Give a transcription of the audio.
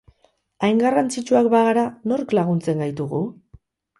Hain garrantzitsuak bagara, nork laguntzen gaitu gu?